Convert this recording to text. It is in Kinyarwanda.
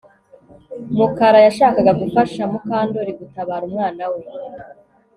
Mukara yashakaga gufasha Mukandoli gutabara umwana we